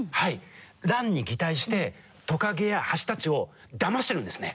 ランに擬態してトカゲやハチたちをだましてるんですね。